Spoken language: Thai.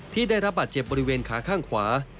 ที่ได้รับบาดเจ็บบริเวณขาข้างขวา